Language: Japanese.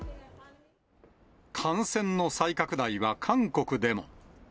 感染の再拡大は韓国でも。